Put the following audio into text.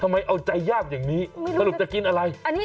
เอาใจยากอย่างนี้สรุปจะกินอะไร